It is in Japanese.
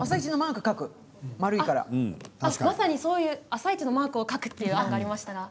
「あさイチ」のマークを描くという案がありました。